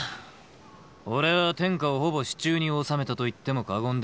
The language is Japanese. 俺は天下をほぼ手中に収めたと言っても過言ではない。